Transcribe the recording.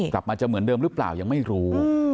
กลับมาจะเหมือนเดิมหรือเปล่ายังไม่รู้